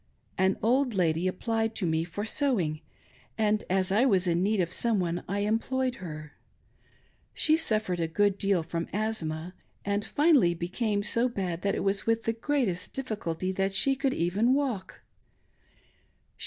An old lady applied to me for sew ing, and, as I was in need of some one, I employed her. She suffered a good deal from asthma, and finally became s.. bad that it was with the greatest difficulty that she could even walk.